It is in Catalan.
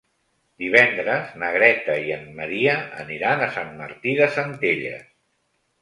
Divendres na Greta i en Maria aniran a Sant Martí de Centelles.